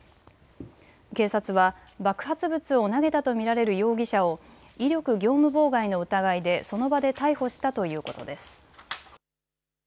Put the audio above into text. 警察は爆発物を投げたと見られる容疑者を威力業務妨害の疑いでその場で逮捕したということです。